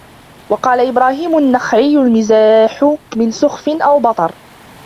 وَقَالَ إبْرَاهِيمُ النَّخَعِيُّ الْمِزَاحُ مِنْ سُخْفٍ أَوْ بَطَرٍ